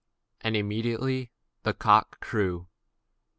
And immediately the cock crew.